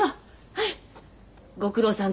はい。